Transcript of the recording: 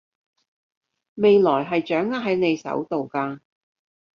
未來係掌握喺你手度㗎